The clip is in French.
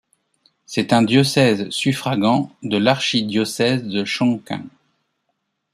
C'est un diocèse suffragant de l'archidiocèse de Chongqing.